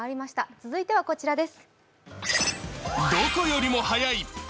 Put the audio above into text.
続いてはこちらです。